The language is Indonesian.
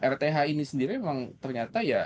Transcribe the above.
rth ini sendiri memang ternyata ya